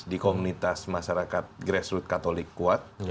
di komunitas masyarakat grassroot katolik kuat